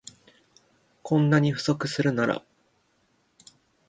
こんなに不足するなら